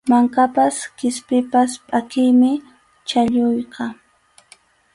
Mankapas qispipas pʼakiymi chhalluyqa.